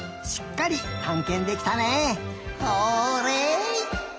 しっかりたんけんできたね。